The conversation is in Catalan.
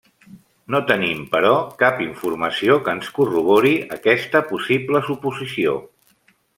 No tenim però, cap informació que ens corrobori aquesta possible suposició.